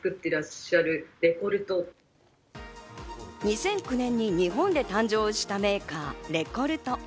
２００９年に日本で誕生したメーカー、レコルト。